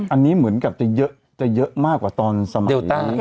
อันนี้เหมือนกับจะเยอะจะเยอะมากกว่าตอนสมัยเดลต้า